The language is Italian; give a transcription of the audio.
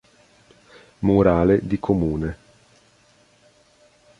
Murale di Comune.